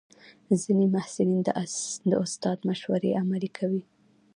ځینې محصلین د استاد مشورې عملي کوي.